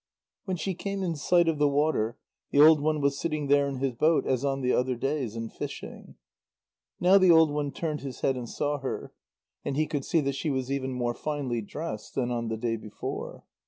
When she came in sight of the water, the old one was sitting there in his boat as on the other days, and fishing. Now the old one turned his head and saw her, and he could see that she was even more finely dressed than on the day before.